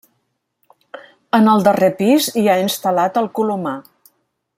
En el darrer pis hi ha instal·lat el colomar.